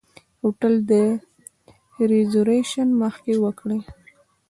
د هوټل ریزرویشن مخکې وکړئ.